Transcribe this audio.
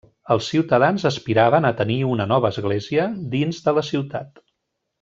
Els ciutadans aspiraven a tenir una nova església dins de la ciutat.